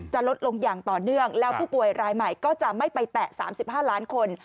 ลดลงอย่างต่อเนื่องแล้วผู้ป่วยรายใหม่ก็จะไม่ไปแตะ๓๕ล้านคน